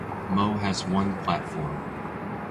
Moe has one platform.